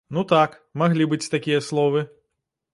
Ну так, маглі быць такія словы.